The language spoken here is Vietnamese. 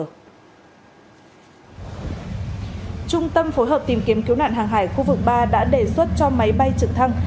trung tâm phối hợp tìm kiếm cứu nạn hàng hải khu vực ba đã đề xuất cho máy bay trực thăng